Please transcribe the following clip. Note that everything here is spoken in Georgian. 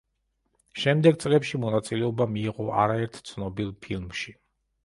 შემდეგ წლებში მონაწილეობა მიიღო არაერთ ცნობილ ფილმში.